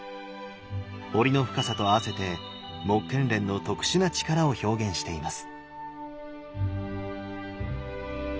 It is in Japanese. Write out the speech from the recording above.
彫りの深さとあわせて目連の特殊な力を表現しています。